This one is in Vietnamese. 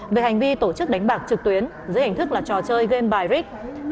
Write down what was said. về hành vi tổ chức đánh bạc trực tuyến dưới hình thức là trò chơi game by rig